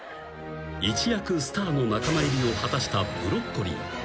［一躍スターの仲間入りを果たしたブロッコリー］